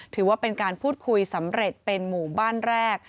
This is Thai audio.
ถือว่าเป็นการพูดคุยสำเร็จเป็นหมู่บ้านแรก